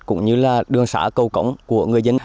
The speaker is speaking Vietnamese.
cũng như là đường xã cầu cống của người dân